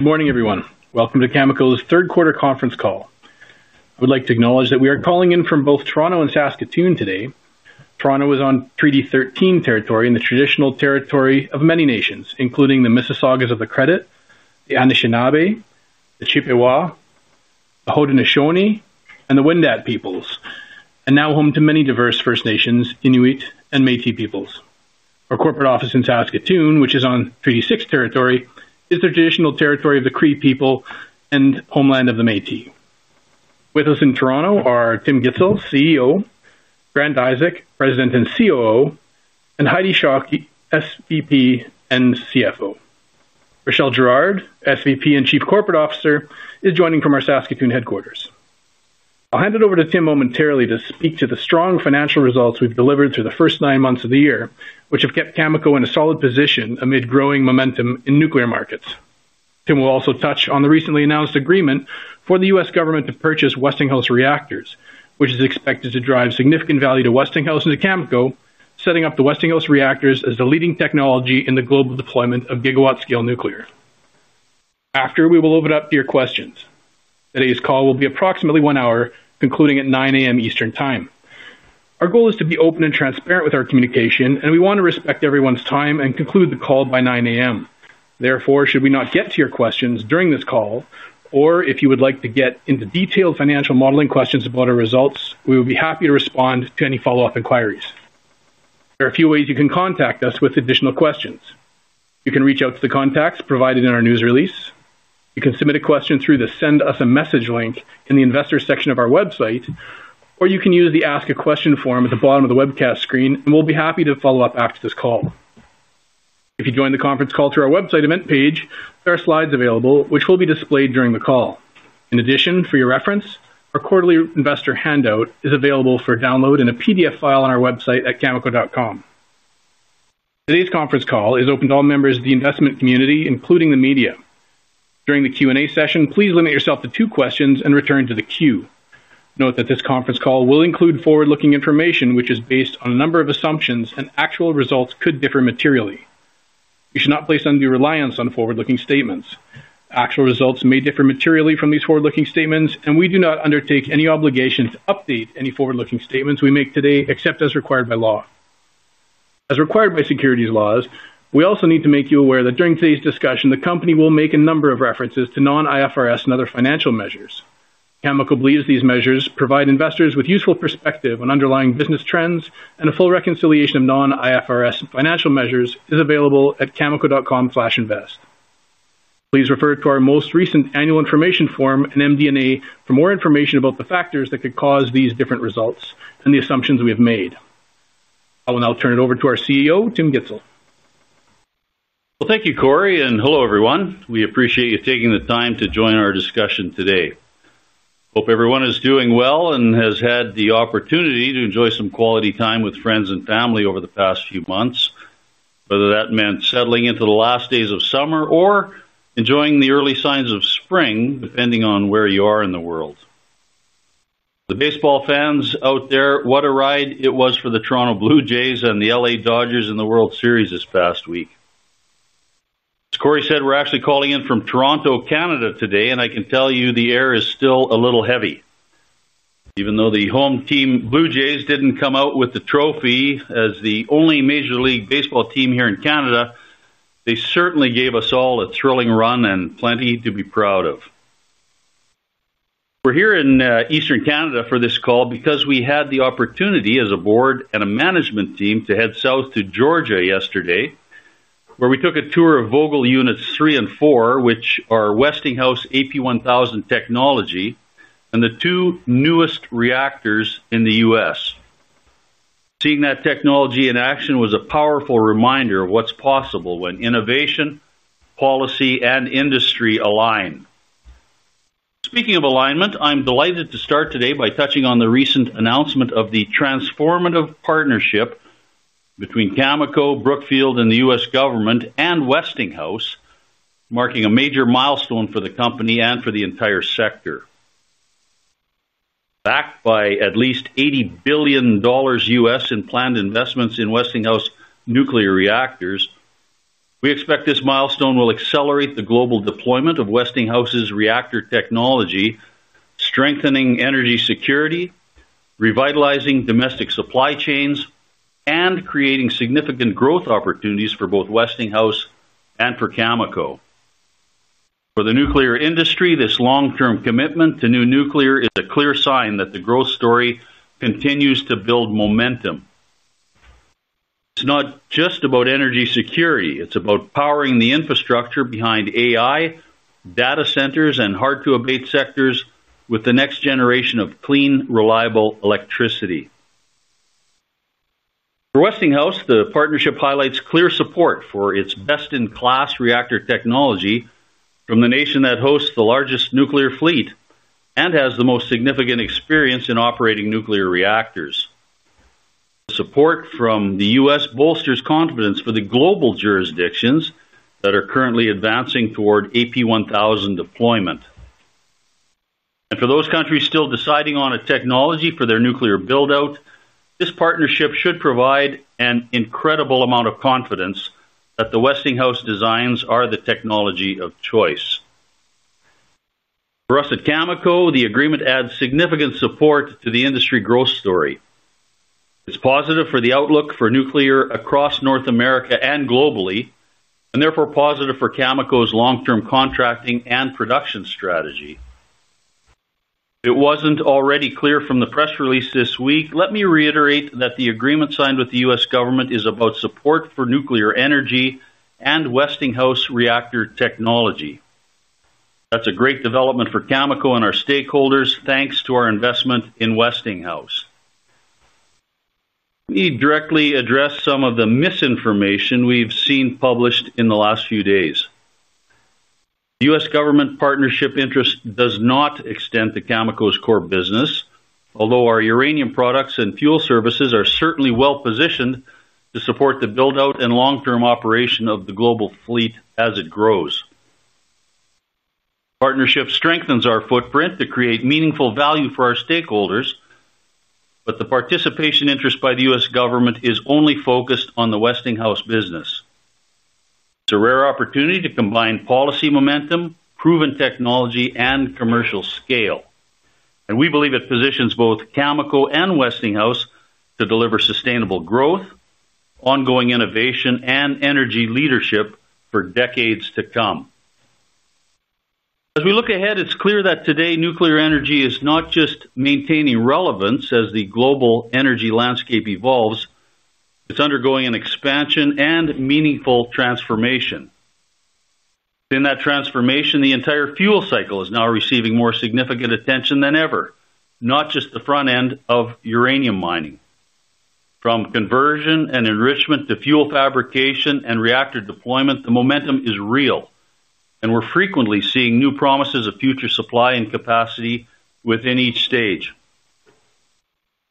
Good morning everyone. Welcome to Cameco's third quarter conference call. I would like to acknowledge that we are calling in from both Toronto and Saskatoon today. Toronto is on Treaty 13 territory in the traditional territory of many nations including the Mississaugas of the Credit, the Anishinaabe, the Chippewa, the Haudenosaunee, and the Wendat peoples, and now home to many diverse First Nations, Inuit, and Métis peoples. Our corporate office in Saskatoon, which is on Treaty 6 territory, is the traditional territory of the Cree people and homeland of the Métis. With us in Toronto are Tim Gitzel, CEO, Grant Isaac, President and COO, and Heidi Schalk, SVP and CFO. Rochelle Gerard, SVP and Chief Corporate Officer, is joining from our Saskatoon headquarters. I'll hand it over to Tim momentarily to speak to the strong financial results we've delivered through the first nine months of the year, which have kept Cameco in a solid position amid growing momentum in nuclear markets. Tim will also touch on the recently announced agreement for the U.S. Government to purchase Westinghouse reactors, which is expected to drive significant value to Westinghouse and to Cameco, setting up the Westinghouse reactors as the leading technology in the global deployment of gigawatt-scale nuclear. After, we will open up to your questions. Today's call will be approximately one hour, concluding at 9:00 A.M. Eastern Time. Our goal is to be open and transparent with our communication and we want to respect everyone's time and conclude the call by 9:00 A.M. Therefore, should we not get to your questions during this call or if you would like to get into detailed financial modeling questions about our results, we would be happy to respond to any follow up inquiries. There are a few ways you can contact us with additional questions. You can reach out to the contacts provided in our news release. You can submit a question through the Send us a Message link in the Investors section of our website or you can use the Ask a Question form at the bottom of the webcast screen and we will be happy to follow up after this call. If you join the conference call through our website event page, there are slides available which will be displayed during the call. In addition, for your reference, our quarterly investor handout is available for download in a PDF file on our website at cameco.com. Today's conference call is open to all members of the investment community including the media. During the Q and A session, please limit yourself to two questions and return to the queue. Note that this conference call will include forward looking information which is based on a number of assumptions and actual results could differ materially. You should not place undue reliance on forward looking statements. Actual results may differ materially from these forward looking statements and we do not undertake any obligation to update any forward looking statements we make today except as required by law as required by securities laws. We also need to make you aware that during today's discussion the company will make a number of references to non-IFRS and other financial measures. Cameco believes these measures provide investors with useful perspective on underlying business trends and a full reconciliation of non-IFRS financial measures is available at cameco.com invest. Please refer to our most recent annual information form and MD&A for more information about the factors that could cause these different results and the assumptions we have made. I will now turn it over to our CEO Tim Gitzel. Thank you, Cory, and hello everyone. We appreciate you taking the time to join our discussion today. Hope everyone is doing well and has had the opportunity to enjoy some quality time with friends and family over the past few months. Whether that meant settling into the last days of summer or enjoying the early signs of spring, depending on where you are in the world. The baseball fans out there, what a ride it was for the Toronto Blue Jays and the LA Dodgers in the World Series this past week. As Cory said, we're actually calling in from Toronto, Canada today and I can tell you the air is still a little heavy. Even though the home team Blue Jays did not come out with the trophy as the only Major League Baseball team here in Canada, they certainly gave us all a thrilling run and plenty to be proud of. We are here in eastern Canada for this call because we had the opportunity as a board and a management team to head south to Georgia yesterday where we took a tour of Vogtle units 3 and 4, which are Westinghouse AP1000 technology and the two newest reactors in the U.S. Seeing that technology in action was a powerful reminder of what is possible when innovation, policy and industry align. Speaking of alignment, I am delighted to start today by touching on the recent announcement of the transformative partnership between Cameco, Brookfield and the U.S. Government and Westinghouse, marking a major milestone for the company and for the entire sector. Backed by at least $80 billion in planned investments in Westinghouse nuclear reactors. We expect this milestone will accelerate the global deployment of Westinghouse's reactor technology, strengthening energy security, revitalizing domestic supply chains, and creating significant growth opportunities for both Westinghouse and for Cameco. For the nuclear industry, this long-term commitment to new nuclear is a clear sign that the growth story continues to build momentum. It's not just about energy security, it's about powering the infrastructure behind AI data centers and hard-to-abate sectors with the next generation of clean, reliable electricity. For Westinghouse, the partnership highlights clear support for its best-in-class reactor technology from the nation that hosts the largest nuclear fleet and has the most significant experience in operating nuclear reactors. Support from the U.S. bolsters confidence for the global jurisdictions that are currently advancing toward AP1000 deployment and for those countries still deciding on a technology for their nuclear build out. This partnership should provide an incredible amount of confidence that the Westinghouse designs are the technology of choice for us at Cameco, the agreement adds significant support to the industry growth story. It's positive for the outlook for nuclear across North America and globally and therefore positive for Cameco's long term contracting and production strategy. If it was not already clear from the press release this week, let me reiterate that the agreement signed with the U.S. Government is about support for nuclear energy and Westinghouse reactor technology. That's a great development for Cameco and our stakeholders thanks to our investment in Westinghouse. Let me directly address some of the misinformation we've seen published in the last few days. U.S. Government partnership interest does not extend to Cameco's core business, although our uranium products and fuel services are certainly well positioned to support the build out and long term operation of the global fleet as it grows. Partnership strengthens our footprint to create meaningful value for our stakeholders, but the participation interest by the U.S. Government is only focused on the Westinghouse business. It is a rare opportunity to combine policy, momentum, proven technology and commercial scale, and we believe it positions both Cameco and Westinghouse to deliver sustainable growth, ongoing innovation and energy leadership for decades to come. As we look ahead, it is clear that today nuclear energy is not just maintaining relevance as the global energy landscape evolves, it is undergoing an expansion and meaningful transformation. In that transformation, the entire fuel cycle is now receiving more significant attention than ever, not just the front end of uranium mining. From conversion and enrichment to fuel fabrication and reactor deployment, the momentum is real and we're frequently seeing new promises of future supply and capacity within each stage.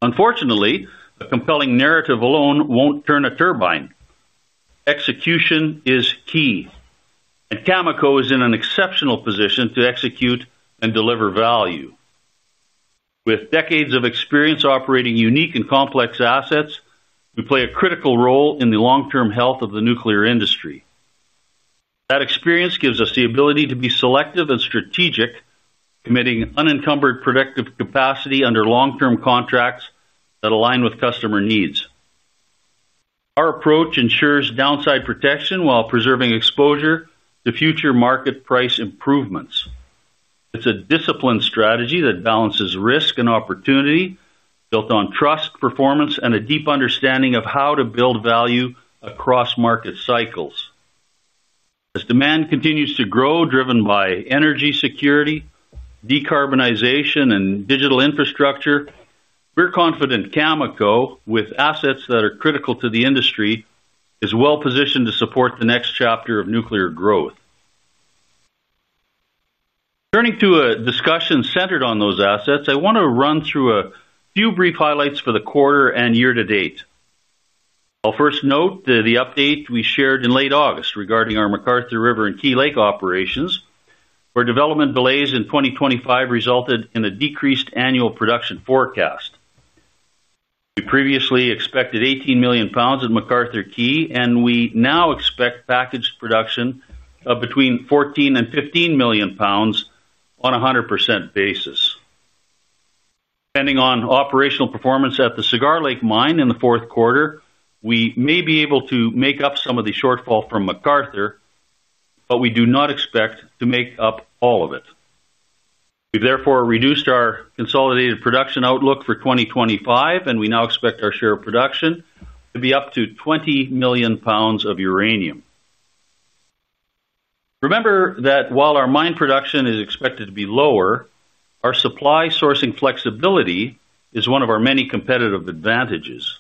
Unfortunately, a compelling narrative alone won't turn a turbine. Execution is key and Cameco is in an exceptional position to execute and deliver value. With decades of experience operating unique and complex assets, we play a critical role in the long term health of the nuclear industry. That experience gives us the ability to be selective and strategic, committing unencumbered predictive capacity under long term contracts that align with customer needs. Our approach ensures downside protection while preserving exposure to future market price improvements. It's a disciplined strategy that balances risk and opportunity built on trust, performance and a deep understanding of how to build value across market cycles. As demand continues to grow, driven by energy security, decarbonization and digital infrastructure, we're confident Cameco, with assets that are critical to the industry, is well positioned to support the next chapter of nuclear growth. Turning to a discussion centered on those assets, I want to run through a few brief highlights for the quarter and year to date. I'll first note the update we shared in late August regarding our McArthur River and Key Lake operations, where development delays in 2025 resulted in a decreased annual production forecast. We previously expected 18 million lbs at McArthur Key and we now expect packaged production of between 14-15 million lbs on a 100% basis, depending on operational performance at the Cigar Lake Mine. In the fourth quarter, we may be able to make up some of the shortfall from McArthur, but we do not expect to make up all of it. We therefore reduced our consolidated production outlook for 2025 and we now expect our share of production to be up to 20 million lbs of uranium. Remember that while our mine production is expected to be lower, our supply sourcing flexibility is one of our many competitive advantages.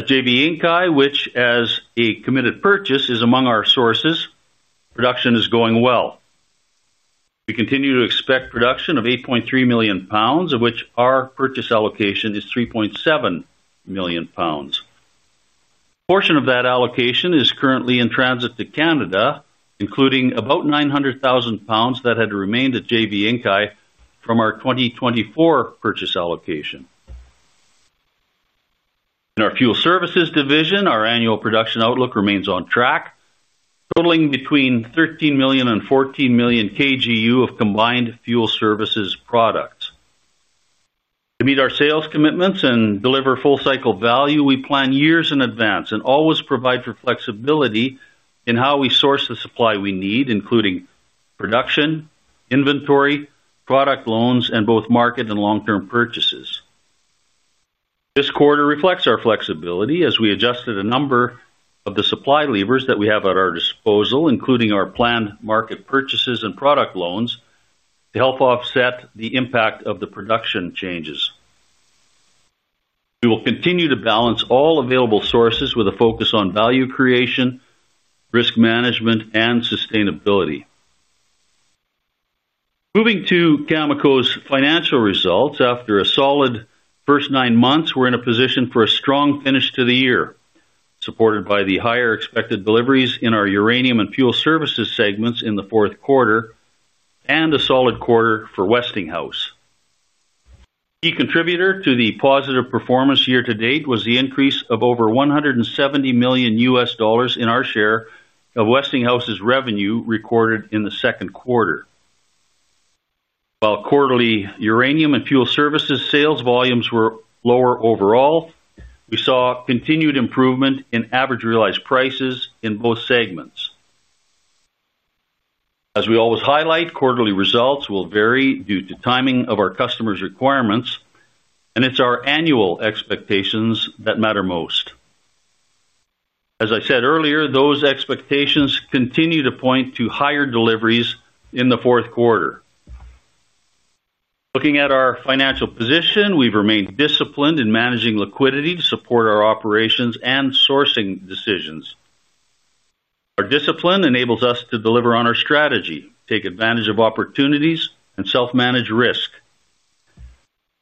At Inkai, which as a committed purchase is among our sources, production is going well. We continue to expect production of 8.3 million lbs, of which our purchase allocation is 3.7 million lbs. A portion of that allocation is currently in transit to Canada, including about 900,000 lbs that had remained at JV Inkai from our 2024 purchase allocation. In our fuel services division, our annual production outlook remains on track, totaling between 13 million-14 million kg/u of combined fuel services products. To meet our sales commitments and deliver full cycle value, we plan years in advance and always provide for flexibility in how we source the supply we need, including production, inventory, product loans, and both market and long-term purchases. This quarter reflects our flexibility as we adjusted a number of the supply levers that we have at our disposal, including our planned market purchases and product loans. To help offset the impact of the production changes, we will continue to balance all available sources with a focus on value creation, risk management, and sustainability. Moving to Cameco's financial results after a solid first nine months, we're in a position for a strong finish to the year, supported by the higher expected deliveries in our uranium and fuel services segments in the fourth quarter and a solid quarter for Westinghouse. Key contributor to the positive performance year to date was the increase of over $170 million in our share of Westinghouse's revenue recorded in the second quarter. While quarterly uranium and fuel services sales volumes were lower overall, we saw continued improvement in average realized prices in both segments. As we always highlight, quarterly results will vary due to timing of our customers' requirements and it's our annual expectations that matter most. As I said earlier, those expectations continue to point to higher deliveries in the fourth quarter. Looking at our financial position, we've remained disciplined in managing liquidity to support our operations and sourcing decisions. Our discipline enables us to deliver on our strategy, take advantage of opportunities and self manage risk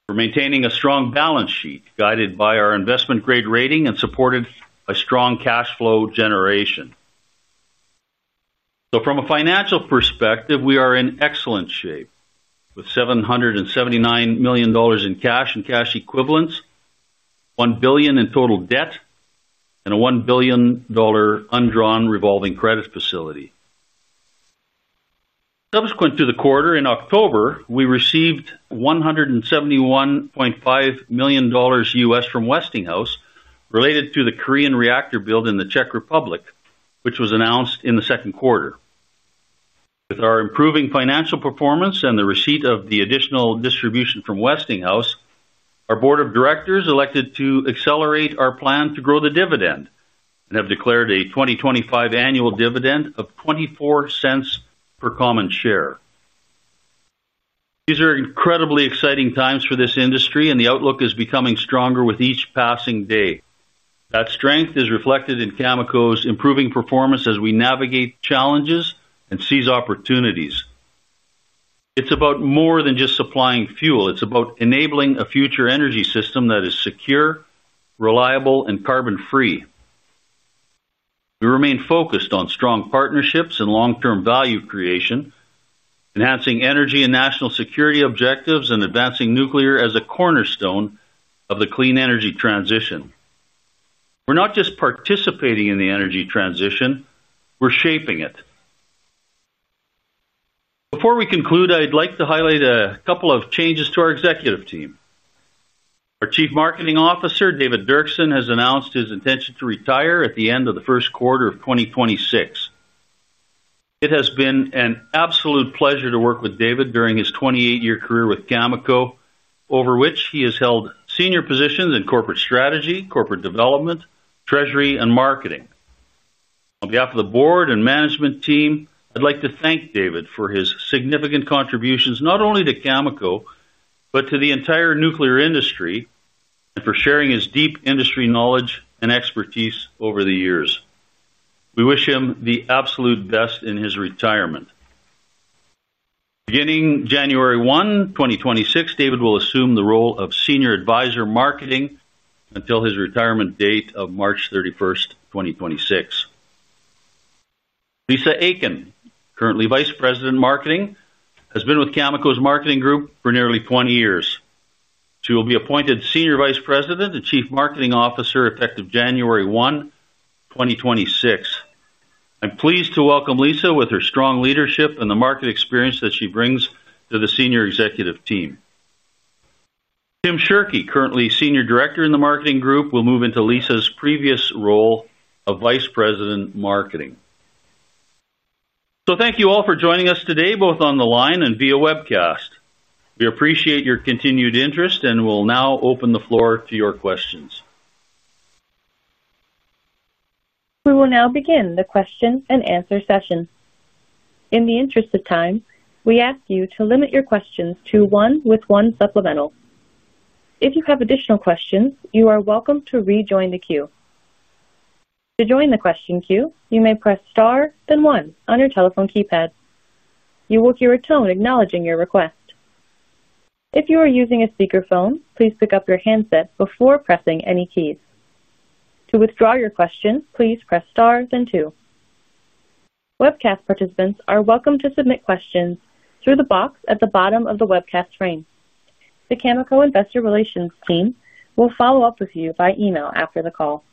for maintaining a strong balance sheet guided by our investment grade rating and supported by strong cash flow generation. From a financial perspective we are in excellent shape with 779 million dollars in cash and cash equivalents, 1 billion in total debt and a 1 billion dollar undrawn revolving credit facility. Subsequent to the quarter in October we received $171.5 million from Westinghouse related to the Korean reactor build in the Czech Republic which was announced in the second quarter. With our improving financial performance and the receipt of the additional distribution from Westinghouse, our Board of Directors elected to accelerate our plan to grow the dividend and have declared a 2025 annual dividend of 0.24 per common share. These are incredibly exciting times for this industry and the outlook is becoming stronger with each passing day. That strength is reflected in Cameco's improving performance as we navigate challenges and seize opportunities. It's about more than just supplying fuel, it's about enabling a future energy system that is secure, reliable and carbon free. We remain focused on strong partnerships and long term value creation, enhancing energy and national security objectives and advancing nuclear as a cornerstone of the clean energy transition. We're not just participating in the energy transition, we're shaping it. Before we conclude, I'd like to highlight a couple of changes to our executive team. Our Chief Marketing Officer David Dirksen has announced his intention to retire at the end of the first quarter of 2026. It has been an absolute pleasure to work with David during his 28 year career with Cameco, over which he has held senior positions in Corporate Strategy, Corporate Development, Treasury and Marketing. On behalf of the board and management team, I'd like to thank David for his significant contributions not only to Cameco but to the entire nuclear industry and for sharing his deep industry knowledge and expertise. Over the years, we wish him the absolute best in his retirement. Beginning January 1, 2026, David will assume the role of Senior Advisor Marketing until his retirement date of March 31st, 2026. Lisa Akin, currently Vice President Marketing, has been with Cameco's Marketing Group for nearly 20 years. She will be appointed Senior Vice President and Chief Marketing Officer effective January 1, 2026. I'm pleased to welcome Lisa with her strong leadership and the market experience that she brings to the senior executive team. Tim Shirkey, currently Senior Director in the Marketing Group, will move into Lisa's previous role of Vice President Marketing. Thank you all for joining us today, both on the line and via webcast. We appreciate your continued interest and will now open the floor to your questions. We will now begin the question and answer session. In the interest of time, we ask you to limit your questions to one with one supplemental. If you have additional questions, you are welcome to rejoin the queue. To join the question queue, you may press star then 1. On your telephone keypad, you will hear a tone acknowledging your request. If you are using a speakerphone, please pick up your handset before pressing any keys. To withdraw your question, please press star and 2. Webcast participants are welcome to submit questions through the box at the bottom of the webcast frame. The Cameco investor relations team will follow up with you by email after the call.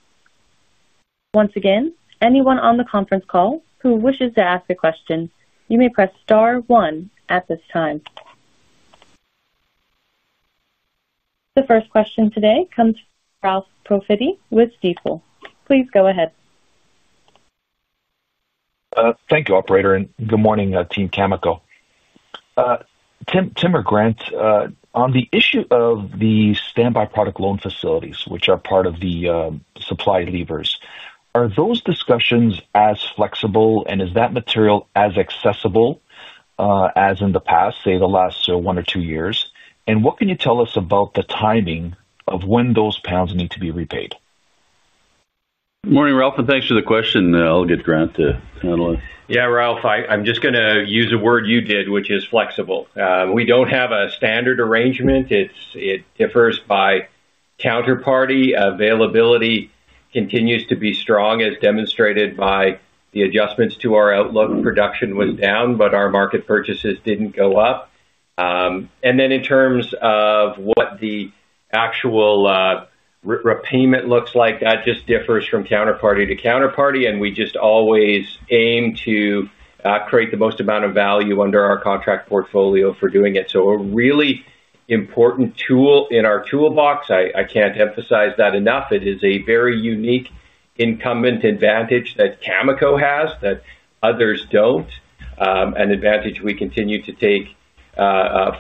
Once again, anyone on the conference call who wishes to ask a question, you may press star one at this time. The first question today comes from Ralph Profiti with Stifel. Please go ahead. Thank you operator and good morning team Cameco. Tim or Grant on the issue of the standby product loan facilities which are part of the supply levers, are those discussions as flexible and is that material as accessible as in the past, say the last one or two years? What can you tell us about the timing of when those lbs need to be repaid? Good morning Ralph, and thanks for the question. I'll get Grant to handle it. Yeah, Ralph, I'm just going to use a word you did, which is flexible. We don't have a standard arrangement. It differs by counterparty. Availability continues to be strong as demonstrated by the adjustments to our outlook. Production was down, but our market purchases did not go up. In terms of what the actual repayment looks like, that just differs from counterparty to counterparty. We just always aim to create the most amount of value under our contract portfolio for doing it. It is a really important tool in our toolbox. I cannot emphasize that enough. It is a very unique incumbent advantage that Cameco has that others do not. An advantage we continue to take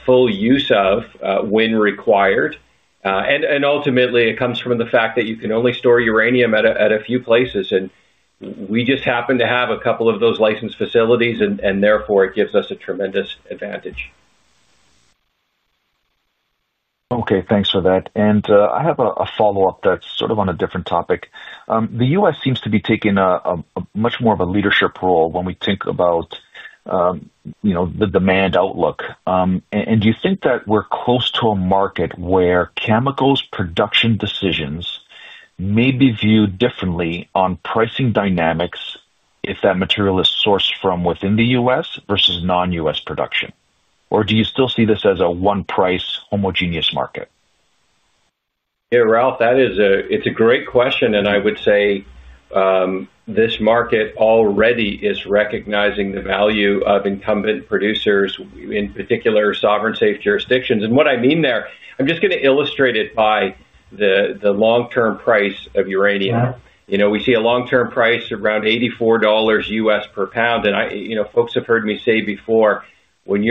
full use of when required. Ultimately it comes from the fact that you can only store uranium at a few places, and we just happen to have a couple of those licensed facilities, and therefore it gives us a tremendous advantage. Okay, thanks for that. I have a follow up that's sort of on a different topic. The U.S. seems to be taking much more of a leadership role when we think about, you know, the demand outlook. Do you think that we're close to a market where Cameco's production decisions may be viewed differently on pricing dynamics if that material is sourced from within the U.S. versus non-U.S. production? Do you still see this as a one price homogeneous market? Yeah, Ralph, that is a, it's a great question. I would say this market already is recognizing the value of incumbent producers in particular sovereign safe jurisdictions. What I mean there, I'm just going to illustrate it by the long term price of uranium. You know, we see a long term price around $84 U.S. per lbs. You know, folks have heard me say before, when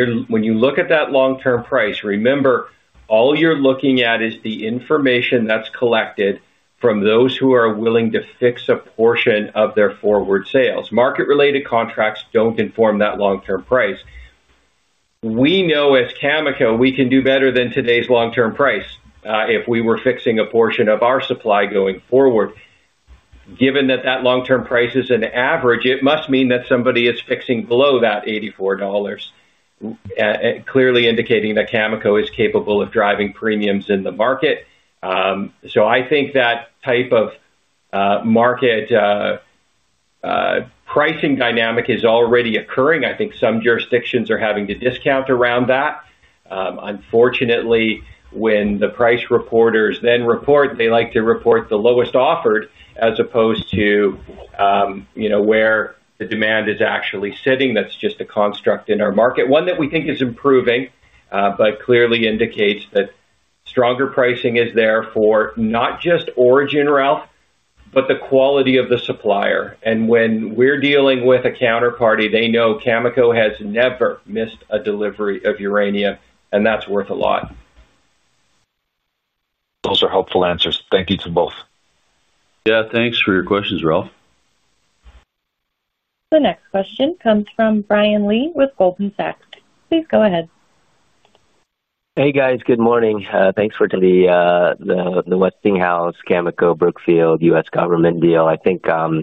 you look at that long term price, remember all you're looking at is the information that's collected from those who are willing to fix a portion of their forward sales. Market related contracts do not inform that long term price. We know as Cameco we can do better than today's long term price if we were fixing a portion of our supply going forward. Given that that long term price is an average, it must mean that somebody is fixing below that $84. Clearly indicating that Cameco is capable of driving premiums in the market. I think that type of market pricing dynamic is already occurring. I think some jurisdictions are having to discount around that. Unfortunately, when the price reporters then report, they like to report the lowest offered as opposed to, you know, where the demand is actually sitting. That is just a construct in our market, one that we think is improving but clearly indicates that stronger pricing is there for not just origin, Ralph, but the quality of the supplier. When we are dealing with a counterparty, they know Cameco has never missed a delivery of uranium and that is worth a lot. Those are helpful answers. Thank you to both. Yeah, thanks for your questions, Ralph. The next question comes from Brian Lee with Goldman Sachs. Please go ahead. Hey guys, good morning. Thanks for the Westinghouse Cameco Brookfield U.S. Government deal. I think a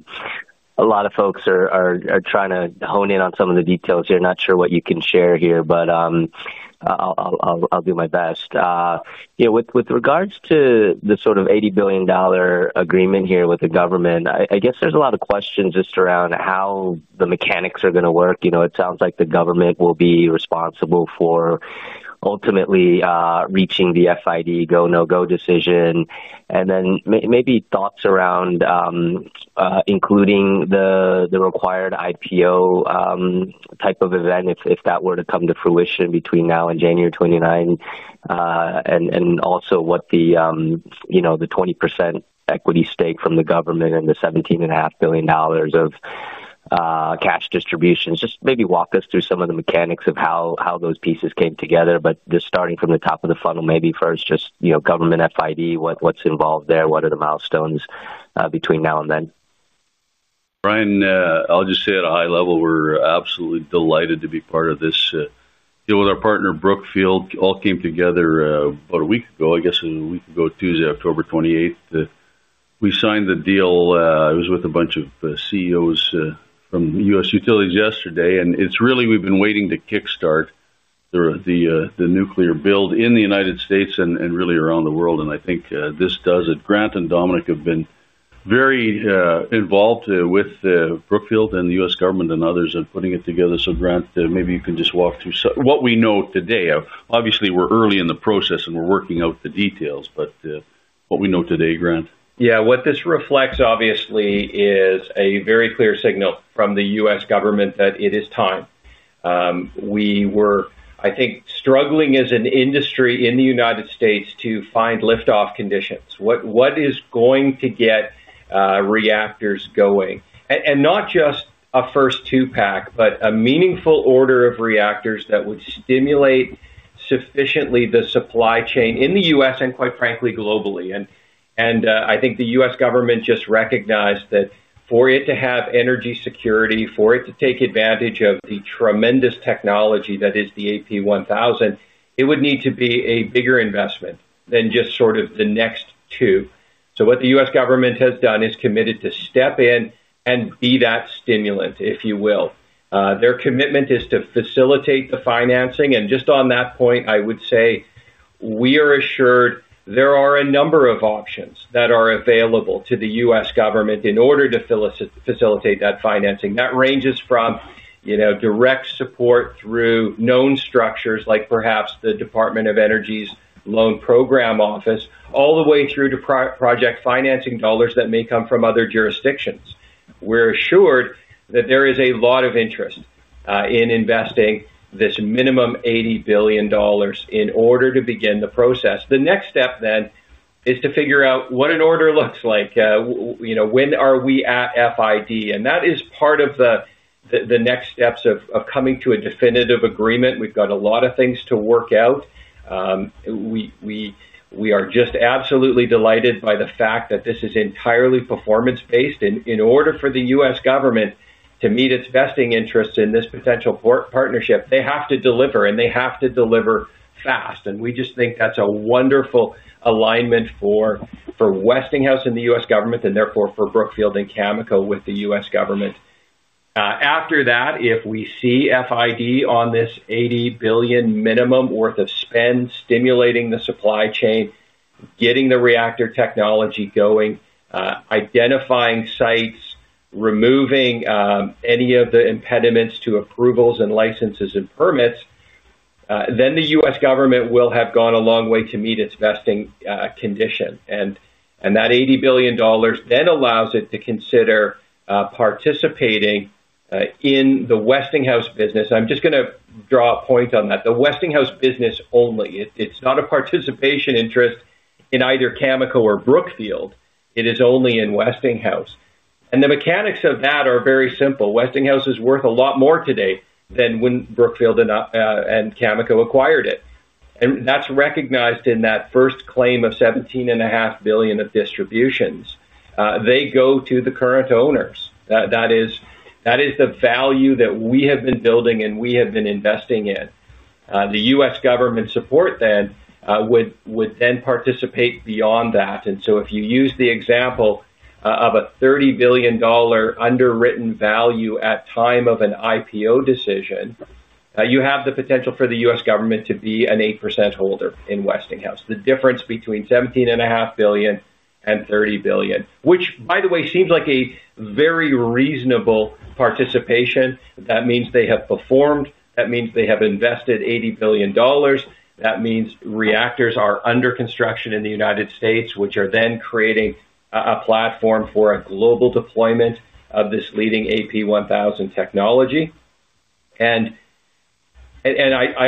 lot of folks are trying to hone in on some of the details here. Not sure what you can share here, but I'll do my best with regards to the sort of $80 billion agreement here with the. I guess there's a lot of questions just around how the mechanics are going to work. It sounds like the government will be responsible for ultimately reaching the FID go no go decision and then maybe thoughts around including the required IPO type of event if that were to come to fruition between now and January 29, and also what the 20% equity stake from the government and the $17.5 billion of cash distributions. Just maybe walk us through some of the mechanics of how those pieces came together. Just starting from the top of the funnel, maybe first just, you know, government FID. What's involved there? What are the milestones between now and then? Brian, I'll just say at a high level, we're absolutely delighted to be part of this deal with our partner, Brookfield. All came together about a week ago, I guess a week ago Tuesday, October 28, we signed the deal. I was with a bunch of CEOs from U.S. utilities yesterday, and it's really, we've been waiting to kick start the nuclear build in the United States and really around the world. I think this does it. Grant and Dominic have been very involved with Brookfield and the U.S. Government and others in putting it together. Grant, maybe you can just walk through what we know today. Obviously, we're early in the process and we're working out the details, but what we know today, Grant. Yeah. What this reflects, obviously, is a very clear signal from the U.S. Government that it is time. We were, I think, struggling as an industry in the United States to find liftoff conditions. What is going to get reactors going? Not just a first two pack, but a meaningful order of reactors that would stimulate sufficiently the supply chain in the U.S. and, quite frankly, globally. I think the U.S. Government just recognized that for it to have energy security, for it to take advantage of the tremendous technology that is the AP1000, it would need to be a bigger investment than just sort of the next two. What the U.S. Government has done is committed to step in and be that stimulant, if you will. Their commitment is to facilitate the financing. Just on that point, I would say we are assured there are a number of options that are available to the U.S. Government in order to facilitate that financing that ranges from direct support through known structures like perhaps the Department of Energy's loan program office, all the way through to project financing dollars that may come from other jurisdictions. We are assured that there is a lot of interest in investing this minimum $80 billion in order to begin the process. The next step then is to figure out what an order looks like. When are we at FID? That is part of the next steps of coming to a definitive agreement. We have got a lot of things to work out. We are just absolutely delighted by the fact that this is entirely performance based. In order for the U.S. government to meet its vesting interest in this potential partnership, they have to deliver and they have to deliver fast. We just think that's a wonderful alignment for Westinghouse and the U.S. government and therefore for Brookfield and Cameco with the U.S. government. After that, if we see FID on this $80 billion minimum worth of spend, stimulating the supply chain, getting the reactor technology going, identifying sites, removing any of the impediments to approvals and licenses and permits, the U.S. government will have gone a long way to meet its vesting condition. That $80 billion then allows it to consider participating in the Westinghouse business. I'm just going to draw a point on that. The Westinghouse business only. It's not a participation interest in either Cameco or Brookfield. It is only in Westinghouse. The mechanics of that are very simple. Westinghouse is worth a lot more today than when Brookfield and Cameco acquired it. That is recognized in that first claim of $17.5 billion of distributions. They go to the current owners. That is the value that we have been building and we have been investing in. The U.S. Government support then would then participate beyond that. If you use the example of a $30 billion underwritten value at time of an IPO decision, you have the potential for the U.S. Government to be an 8% holder in Westinghouse. The difference between $17.5 billion and $30 billion, which by the way, seems like a very reasonable participation. That means they have performed. That means they have invested $80 billion. That means reactors are under construction in the United States, which are then creating a platform for a global deployment of this leading AP1000 technology. I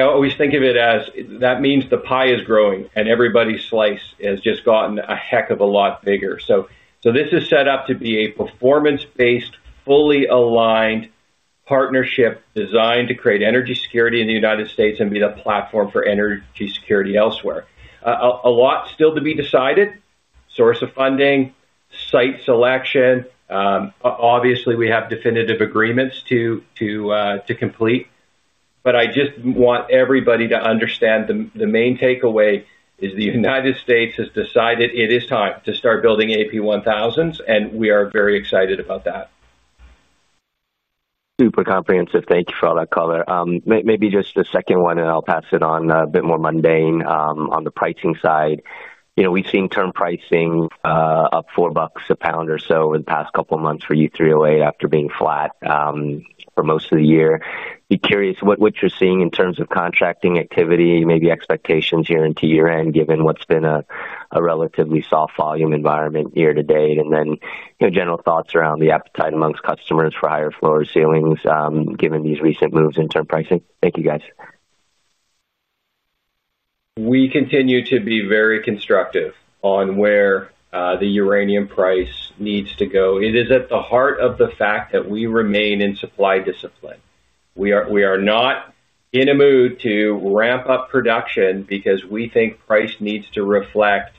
always think of it as that means the pie is growing and everybody's slice has just gotten a heck of a lot bigger. This is set up to be a performance-based, fully aligned partnership designed to create energy security in the U.S. and be the platform for energy security elsewhere. A lot still to be decided. Source of funding, site selection. Obviously we have definitive agreements to complete, but I just want everybody to understand the main takeaway is the U.S. has decided it is time to start building AP1000s and we are very excited about that. Super comprehensive. Thank you for all that color. Maybe just the second one and I'll pass it on. A bit more mundane on the pricing side. You know, we've seen term pricing up $4 a lbs or so over the past couple months for U3O8 after being flat for most of the year. Be curious what you're seeing in terms of contracting activity, maybe expectations here into year end, given what's been a relatively soft volume environment year to date. And then general thoughts around the appetite amongst customers for higher floor ceilings given these recent moves in term pricing. Thank you, guys. We continue to be very constructive on where the uranium price needs to go. It is at the heart of the fact that we remain in supply discipline. We are not in a mood to ramp up production because we think price needs to reflect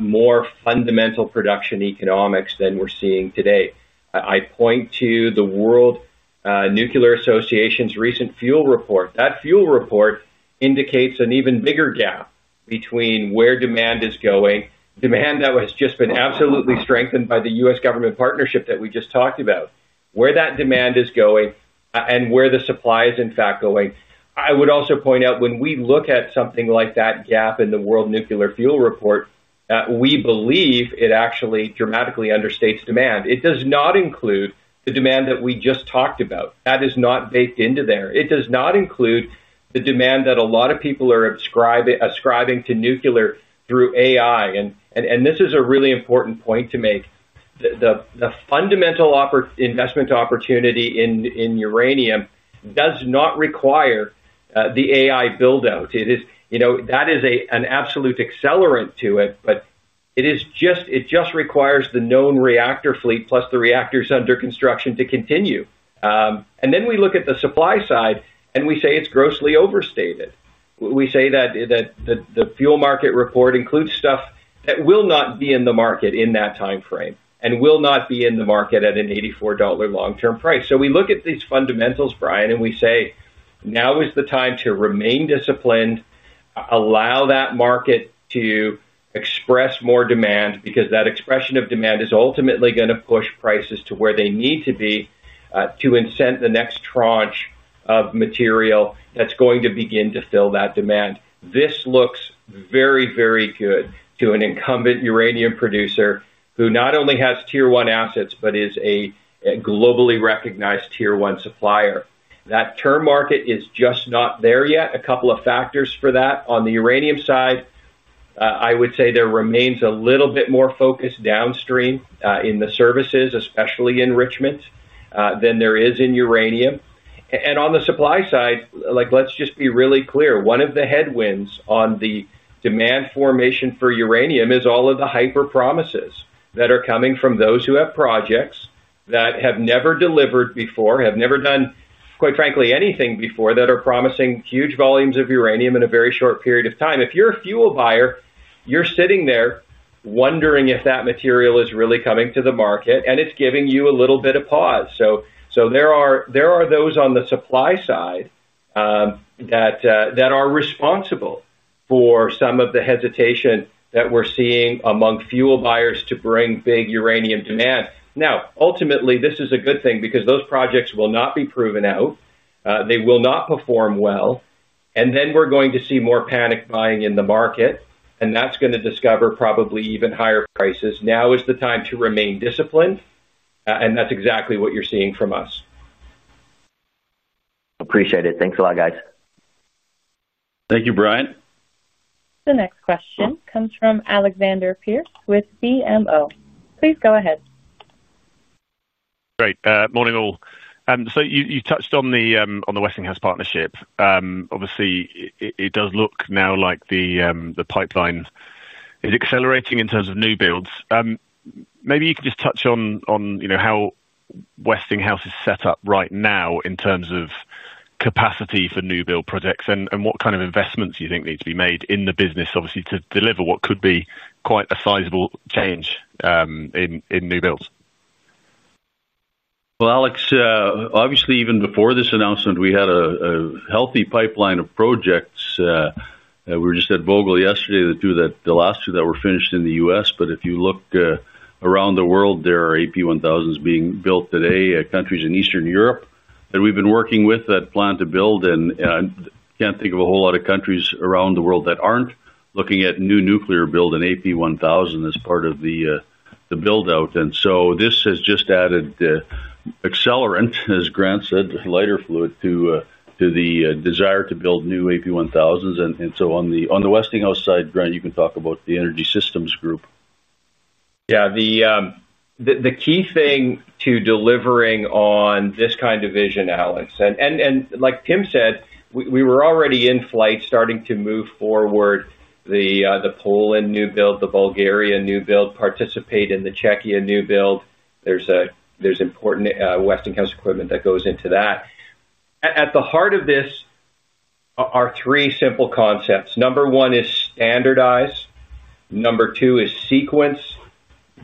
more fundamental production economics than we're seeing today. I point to the World Nuclear Association's recent fuel report. That fuel report indicates an even bigger gap between where demand is going, demand that has just been absolutely strengthened by the U.S. Government partnership that we just talked about, where that demand is going and where the supply is in fact going. I would also point out when we look at something like that gap in the World Nuclear Association fuel report, we believe it actually dramatically understates demand. It does not include the demand that we just talked about that is not baked into there. It does not include the demand that a lot of people are ascribing to nuclear through AI. This is a really important point to make. The fundamental investment opportunity in uranium does not require the AI buildout. It is, you know, that is an absolute accelerant to it. It just requires the known reactor fleet plus the reactors under construction to continue. We look at the supply side and we say it is grossly overstated. We say that the fuel market report includes stuff that will not be in the market in that time frame and will not be in the market at a $84 long term price. We look at these fundamentals, Brian, and we say now is the time to remain disciplined, allow that market to express more demand, because that expression of demand is ultimately going to push prices to where they need to be to incent the next tranche of material that is going to begin to fill that demand. This looks very, very good to an incumbent uranium producer who not only has Tier one assets, but is a globally recognized Tier one supplier. That term market is just not there yet. A couple of factors for that. On the uranium side, I would say there remains a little bit more focus downstream in the services, especially enrichment, than there is in uranium. On the supply side, like, let's just be really clear, one of the headwinds on the demand formation for uranium is all of the hyper promises that are coming from those who have projects that have never delivered before, have never done, quite frankly, anything before, that are promising huge volumes of uranium in a very short period of time. If you're a fuel buyer, you're sitting there wondering if that material is really coming to the market and it's giving you a little bit of pause. There are those on the supply side that are responsible for some of the hesitation that we're seeing among fuel buyers to bring big uranium demand. Now, ultimately this is a good thing because those projects will not be proven out, they will not perform well, and then we're going to see more panic buying in the market and that's going to discover probably even higher prices. Now is the time to remain disciplined. That is exactly what you're seeing from us. Appreciate it. Thanks a lot, guys. Thank you, Brian. The next question comes from Alexander Pearce with BMO Capital Markets. Please go ahead. Great morning, all. You touched on the Westinghouse partnership. Obviously it does look now like the pipeline is accelerating in terms of new builds. Maybe you could just touch on how Westinghouse is set up right now in terms of capacity for new build projects and what kind of investments you think needs to be made in the business of obviously, to deliver what could be quite a sizable change in new builds. Alex, obviously even before this announcement, we had a healthy pipeline of projects. We were just at Vogtle yesterday, the last two that were finished in the U.S. If you look around the world, there are AP1000 being built today. Countries in Eastern Europe that we have been working with plan to build, and I cannot think of a whole lot of countries around the world that are not looking at new nuclear build, an AP1000 as part of the build out. This has just added accelerant, as Grant said, lighter fluid to the desire to build new AP1000s. On the Westinghouse side, Grant, you can talk about the Energy Systems group. Yeah, the key thing to delivering on this kind of vision, Alex. Like Tim said, we were already in flight, starting to move forward. The Poland new build, the Bulgarian new build, participate in the Czech Republic new build. There is important Westinghouse equipment that goes into that. At the heart of this are three simple concepts. Number one is standardize. Number two is sequence.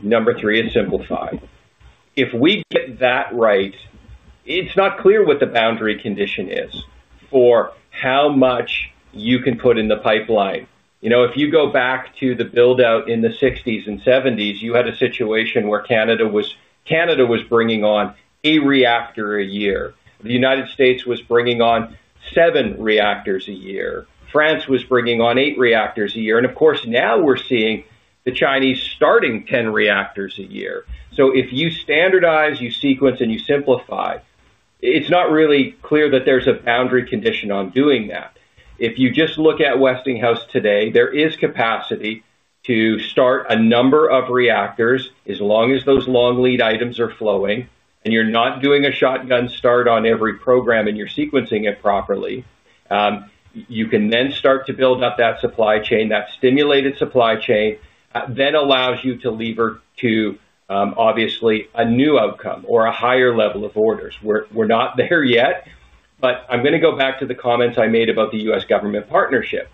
Number three is simplify. If we get that right, it is not clear what the boundary condition is for how much you can put in the pipeline. You know, if you go back to the build out in the 1960s and 1970s, you had a situation where Canada was bringing on a reactor a year, the United States was bringing on seven reactors a year, France was bringing on eight reactors a year, and of course, now we are seeing the Chinese starting 10 reactors a year. If you standardize your sequence and you simplify, it's not really clear that there's a boundary condition on doing that. If you just look at Westinghouse today, there is capacity to start a number of reactors. As long as those long lead items are flowing and you're not doing a shotgun start on every program and you're sequencing it properly, you can then start to build up that supply chain. That stimulated supply chain then allows you to lever to obviously a new outcome or a higher level of orders. We're not there yet, but I'm going to go back to the comments I made about the U.S. government partnership.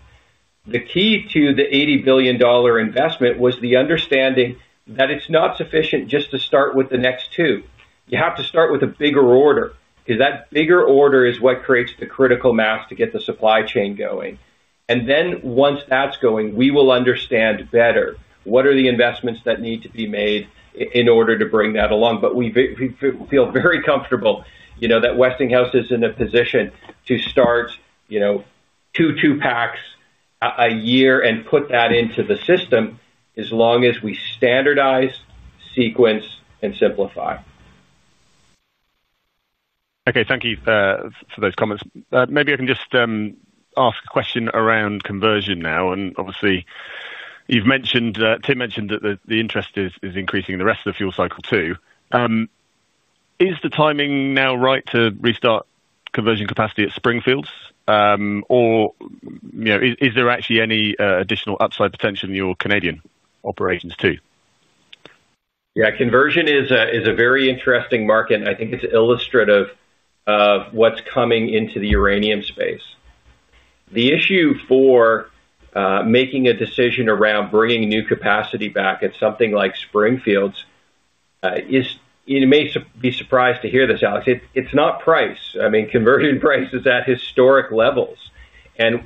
The key to the $80 billion investment was the understanding that it's not sufficient just to start with the next two. You have to start with a bigger order because that bigger order is what creates the critical mass to get the supply chain going. Once that is going, we will understand better what are the investments that need to be made in order to bring that along. We feel very comfortable, you know, that Westinghouse is in a position to start, you know, two, two packs a year and put that into the system as long as we standardize sequence and simplify. Okay, thank you for those comments. Maybe I can just ask a question around conversion now. Obviously you have mentioned, Tim mentioned that the interest is increasing the rest of the fuel cycle too. Is the timing now right to restart? Conversion capacity at Springfields or is there actually any additional upside potential in your Canadian operations too? Yeah, conversion is a very interesting market. I think it's illustrative of what's coming into the uranium space. The issue for making a decision around bringing new capacity back at something like Springfields is, you may be surprised to hear this, Alex, it's not price. I mean, conversion price is at historic levels.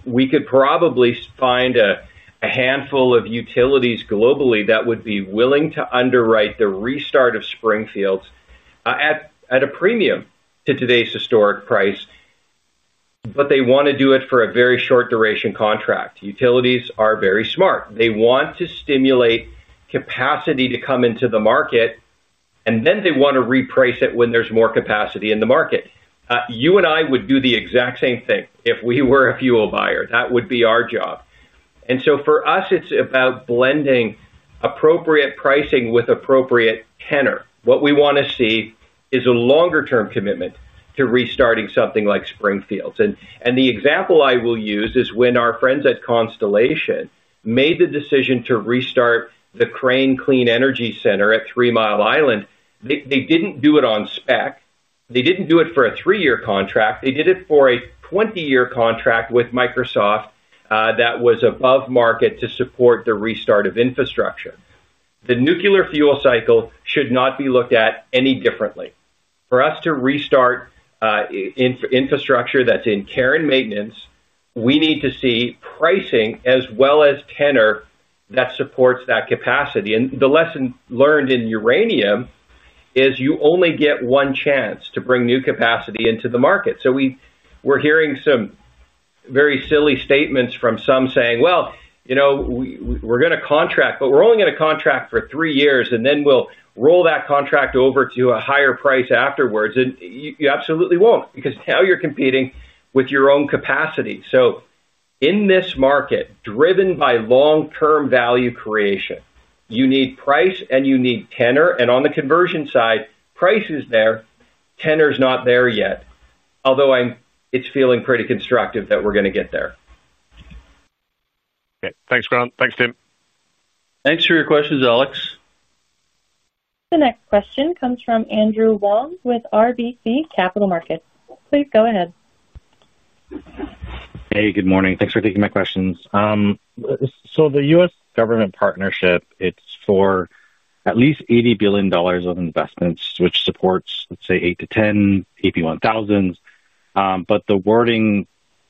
We could probably find a handful of utilities globally that would be willing to underwrite the restart of Springfields at a premium to today's historic price. They want to do it for a very short duration. Contract utilities are very smart. They want to stimulate capacity to come into the market and then they want to reprice it when there's more capacity in the market. You and I would do the exact same thing if we were a fuel buyer. That would be our job. For us it's about blending appropriate pricing with appropriate tenor. What we want to see is a longer term commitment to restarting something like Springfields. The example I will use is when our friends at Constellation made the decision to restart the Crane Clean Energy Center at Three Mile Island. They did not do it on spec. They did not do it for a three year contract. They did it for a 20 year contract with Microsoft that was above market to support the restart of infrastructure. The nuclear fuel cycle should not be looked at any differently. For us to restart infrastructure that is in care and maintenance, we need to see pricing as well as tenor that supports that capacity. The lesson learned in uranium is you only get one chance to bring new capacity into the market. We are hearing some very silly statements from some saying, well, you know, we are going to contract, but we are only going to contract for three years and then we will roll that contract over to a higher price afterwards. You absolutely will not because now you are competing with your own capacity. In this market driven by long-term value creation, you need price and you need tenor. On the conversion side, price is there. Tenor is not there yet, although it is feeling pretty constructive that we are going to get there. Thanks, Grant. Thanks, Tim. Thanks for your questions, Alex. The next question comes from Andrew Wong with RBC Capital Markets. Please go ahead. Hey, good morning. Thanks for taking my questions. The U.S. government partnership, it's for at least $80 billion of investments, which supports, let's say eight to 10 AP1000. The wording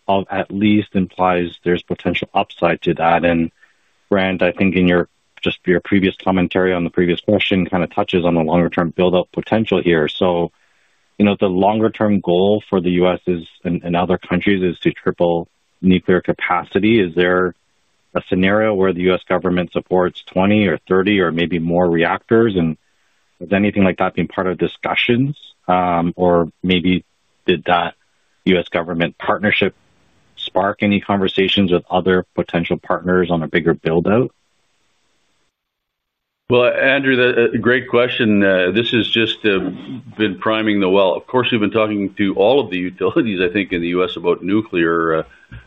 at least implies there's potential upside to that. Grant, I think in your just your previous commentary on the previous question kind of touches on the longer term buildup potential here. You know, the longer term goal for the U.S. and other countries is to triple nuclear capacity. Is there a scenario where the U.S. Government supports 20 or 30 or maybe more reactors and anything like that being part of discussions or maybe did that U.S. Government partnership spark any conversations with other potential partners on a bigger build out? Andrew, great question. This has just been priming the well. Of course, we've been talking to all of the utilities, I think in the U.S. about nuclear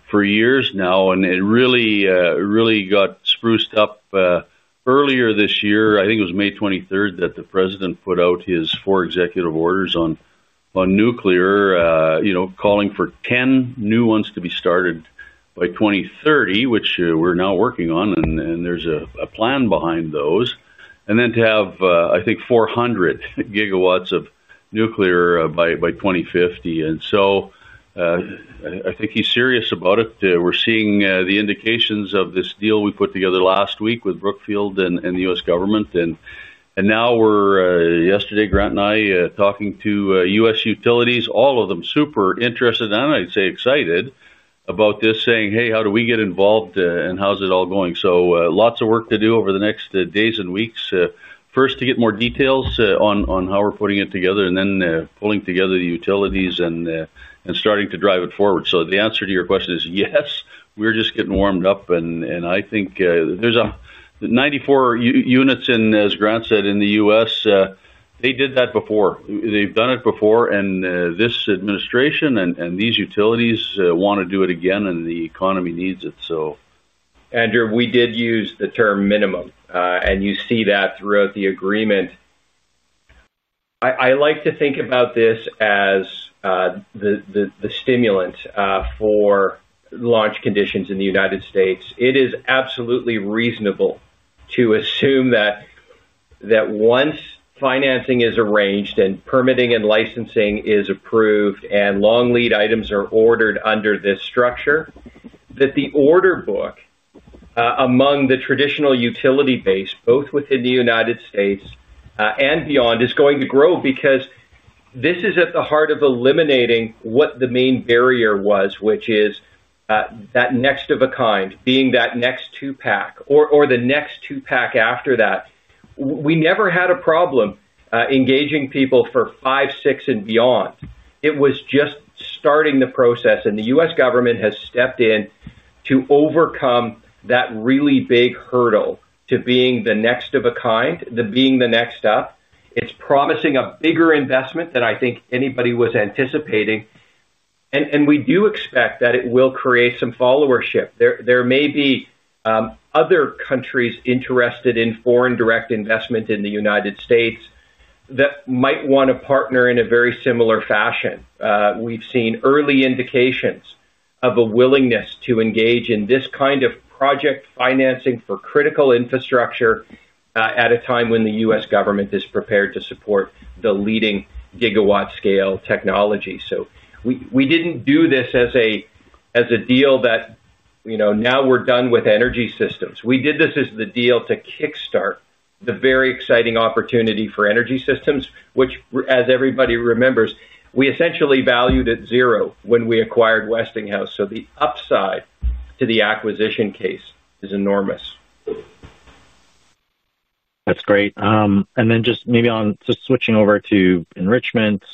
for years now and it really, really got spruced up earlier this year. I think it was May 23 that the president put out his four executive orders on nuclear, you know, calling for 10 new ones to be started by 2030, which we're now working on, and there's a plan behind those and then to have, I think, 400 GW of nuclear by 2050. I think he's serious about it. We're seeing the indications of this deal we put together last week with Brookfield and the U.S. government. Yesterday, Grant and I were talking to U.S. utilities, all of them super interested and I'd say excited about this, saying, hey, how do we get involved and how's it all going? Lots of work to do over the next days and weeks, first to get more details on how we're putting it together and then pulling together the utilities and starting to drive it forward. The answer to your question is yes, we're just getting warmed up. I think there are 94 units, as Grant said, in the U.S.. They did that before. They've done it before, and this administration and these utilities want to do it again, and the economy needs it. Andrew, we did use the term minimum, and you see that throughout the agreement. I like to think about this as the stimulant for launch conditions in the U.S. It is absolutely reasonable to assume that once financing is arranged and permitting and licensing is approved and long lead items are ordered under this structure, that the order book among the traditional utility base, both within the U.S. and beyond, is going to grow. Because this is at the heart of eliminating what the main barrier was, which is that next of a kind being that next two pack or the next two pack after that. We never had a problem engaging people for five, six and beyond. It was just starting the process. The U.S. government has stepped in to overcome that really big hurdle to being the next of a kind, being the next up. It's promising a bigger investment than I think anybody was anticipating, and we do expect that it will create some followership. There may be other countries interested in foreign direct investment in the United States that might want to partner in a very similar fashion. We've seen early indications of a willingness to engage in this kind of project financing for critical infrastructure at a time when the U.S. Government is prepared to support the leading gigawatt-scale technology. We didn't do this as a deal that, you know, now we're done with energy systems. We did this as the deal to kickstart the very exciting opportunity for energy systems, which as everybody remembers, we essentially valued at zero when we acquired Westinghouse. The upside to the acquisition case is enormous. That's great. Just maybe on switching overto enrichments,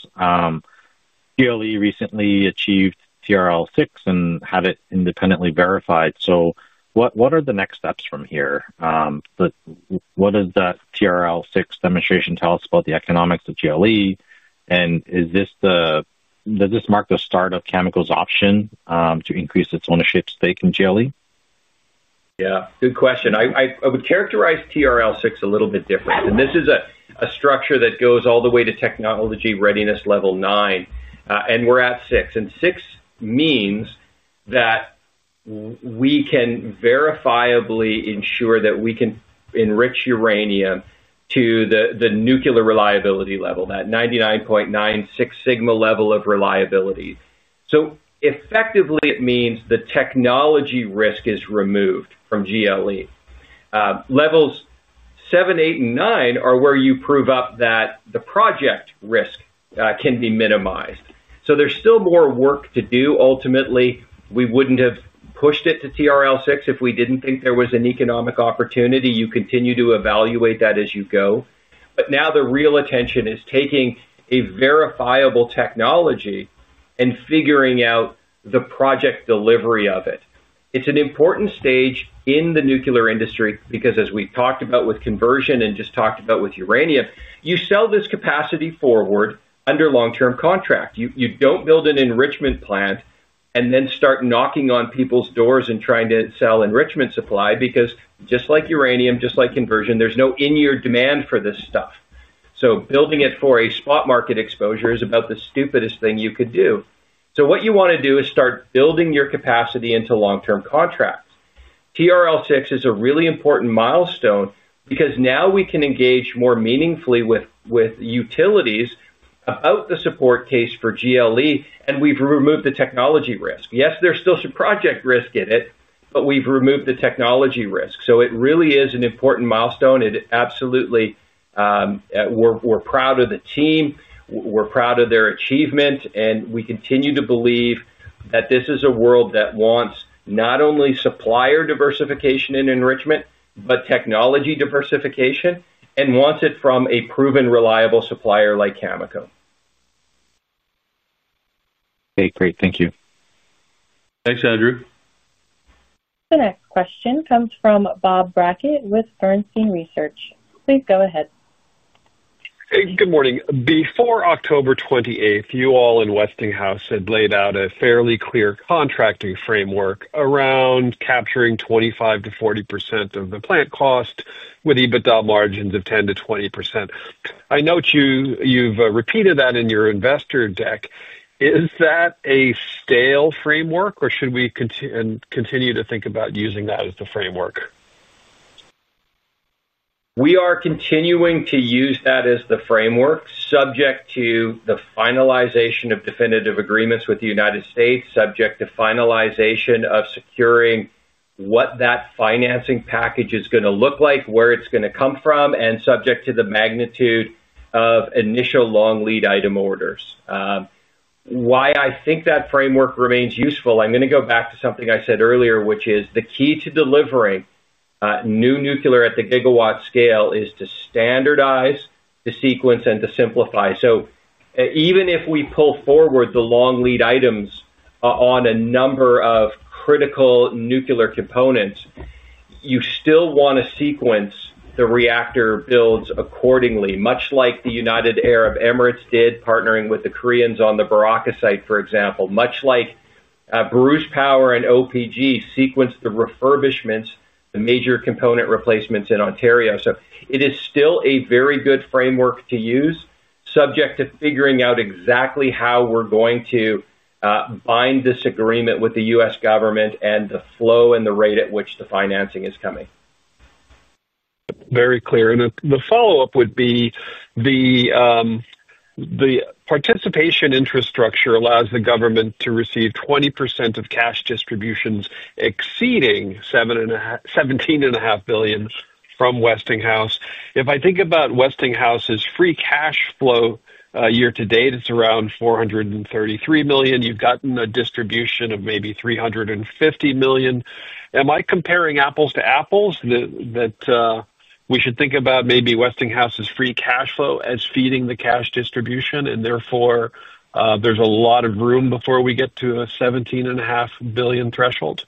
GLE recently achieved TRL 6 and had it independently verified. What are the next steps from here? What does that TRL 6 demonstration tell us about the economics of GLE? Does this mark the start of Cameco's option to increase its ownership stake in GLE? Yeah, good question. I would characterize TRL 6 a little bit different. This is a structure that goes all the way to technology readiness level nine. We are at six and six. Six means that we can verifiably ensure that we can enrich uranium to the nuclear reliability level, that 99.96-Sigma level of reliability. Effectively it means the technology risk is removed from GLE. Levels 7, 8 and 9 are where you prove up that the project risk can be minimized. There is still more work to do. Ultimately, we wouldn't have pushed it to TRL 6 if we didn't think there was an economic opportunity. You continue to evaluate that as you go, but now the real attention is taking a verifiable technology and figuring out the project delivery of it. It's an important stage in the nuclear industry because as we talked about with conversion and just talked about with uranium, you sell this capacity forward under long term contract. You don't build an enrichment plant and then start knocking on people's doors and trying to sell enrichment supply. Because just like uranium, just like conversion, there's no in-year demand for this stuff. Building it for a spot market exposure is about the stupidest thing you could do. What you want to do is start building your capacity into long term contracts. TRL 6 is a really important milestone because now we can engage more meaningfully with utilities about the support case for GLE. And we've removed the technology risk. Yes, there's still some project risk in it, but we've removed the technology risk. It really is an important milestone. It absolutely. We're proud of the team, we're proud of their achievement and we continue to believe that this is a world that wants to not only supplier diversification and enrichment, but technology diversification and wants it from a proven, reliable supplier like Cameco. Great, thank you. Thanks, Andrew. The next question comes from Bob Brackett with Bernstein Research. Please go ahead. Good morning. Before October 28, you all in Westinghouse had laid out a fairly clear contracting framework around capturing 25%-40% of the plant cost with EBITDA margins of 10%-20%. I note you have repeated that in your investor deck. Is that a stale framework or should we continue to think about using that as the framework? We are continuing to use that as the framework subject to the finalization of definitive agreements with the United States, subject to finalization of securities, what that financing package is going to look like, where it is going to come from, and subject to the magnitude of initial long lead item orders. Why I think that framework remains useful. I am going to go back to something I said earlier, which is the key to delivering new nuclear at the gigawatt scale is to standardize the sequence and to simplify. Even if we pull forward the long lead items on a number of critical nuclear components, you still want to sequence the reactor builds accordingly, much like the United Arab Emirates did partnering with the Koreans on the Barakah site. For example, much like Bruce Power and OPG sequenced the refurbishments, the major component replacements in Ontario. It is still a very good framework to use, subject to figuring out exactly how we're going to bind this agreement with the U.S. Government. The flow and the rate at which the financing is coming is very clear. The follow up would be the participation infrastructure allows the government to receive 20% of cash distributions exceeding $17.5 billion from Westinghouse. If I think about Westinghouse's free cash flow year to date, it's around $433 million. You've gotten a distribution of maybe $350 million. Am I comparing apples to apples? That we should think about maybe Westinghouse's free cash flow as feeding the cash distribution and therefore there's a lot of room before we get to a $17.5 billion threshold.